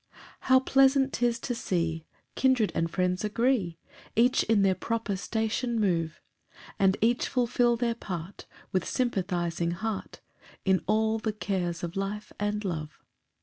1 How pleasant 'tis to see Kindred and friends agree, Each in their proper station move, And each fulfil their part With sympathizing heart, In all the cares of life and love!